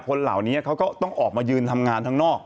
คนเหล่านี้เขาก็ต้องออกมายืนทำงานข้างนอก